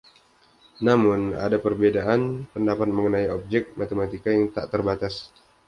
Namun ada perbedaan pendapat mengenai obyek matematika yang tak terbatas.